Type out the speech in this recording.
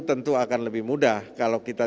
tentu akan lebih mudah kalau kita